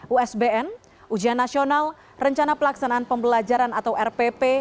usbn ujian nasional rencana pelaksanaan pembelajaran atau rpp